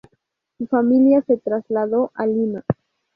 Su familia se trasladó a Lima.